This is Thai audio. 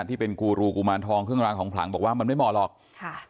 ที่เป็นกูรูกุมารทองเครื่องรางของขลังบอกว่ามันไม่เหมาะหรอกค่ะ